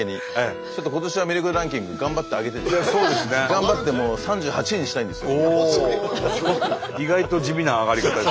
頑張ってもう３８位にしたいんですよ。